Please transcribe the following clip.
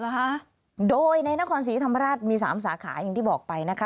เหรอคะโดยในนครศรีธรรมราชมีสามสาขาอย่างที่บอกไปนะคะ